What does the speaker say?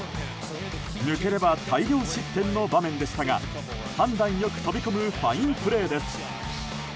抜ければ大量失点の場面でしたが判断良く飛び込むファインプレーです。